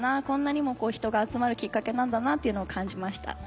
こんなにも人が集まるきっかけなんだなっていうのを感じました。